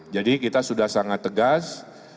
jadi kita sudah sangat tegas